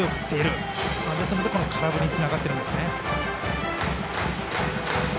ですので、空振りにつながっているんですね。